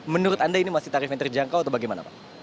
menurut anda ini masih tarif yang terjangkau atau bagaimana pak